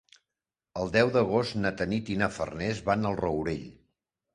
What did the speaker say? El deu d'agost na Tanit i na Farners van al Rourell.